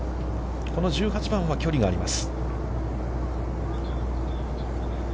１８番は距離があります。